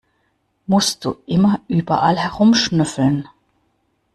Musst du immer überall herumschnüffeln?